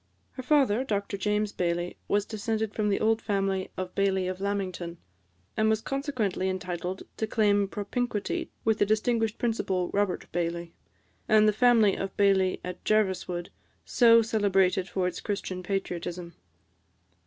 Her father, Dr James Baillie, was descended from the old family of Baillie of Lamington, and was consequently entitled to claim propinquity with the distinguished Principal Robert Baillie, and the family of Baillie of Jerviswood, so celebrated for its Christian patriotism.